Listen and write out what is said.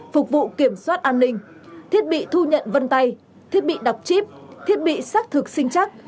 phục vụ kiểm soát an ninh thiết bị thu nhận vân tay thiết bị đọc chip thiết bị xác thực sinh chắc